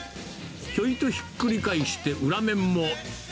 ちょいとひっくり返して裏面も。